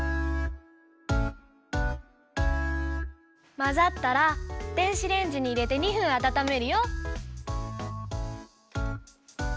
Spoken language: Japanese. まざったら電子レンジにいれて２分あたためるよ。